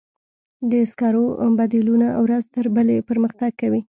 د سکرو بدیلونه ورځ تر بلې پرمختګ کوي.